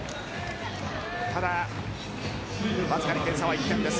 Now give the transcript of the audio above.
ただ、わずかに点差は１点です。